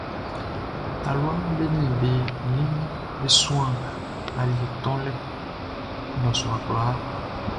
Taluaʼm be nin be ninʼm be suan aliɛ tonlɛ nnɔsua kwlaa.